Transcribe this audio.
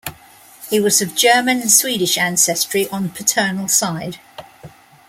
He was of German and Swedish ancestry on paternal side.